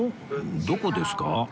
どこですか？